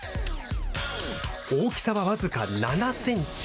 大きさは僅か７センチ。